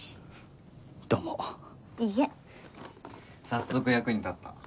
早速役に立った。